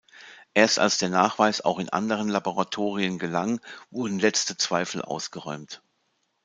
Erst als der Nachweis auch in anderen Laboratorien gelang, wurden letzte Zweifel ausgeräumt.